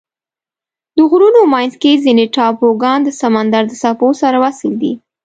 د غرونو منځ کې ځینې ټاپوګان د سمندر د څپو سره وصل دي.